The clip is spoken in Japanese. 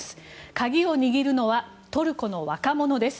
鍵を握るのはトルコの若者です。